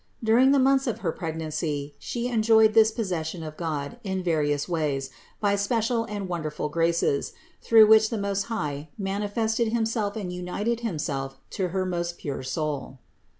During the months of her pregnancy She enjoyed this possession of God in various ways by special and won derful graces, through which the Most High manifested Himself and united Himself to her most pure Soul.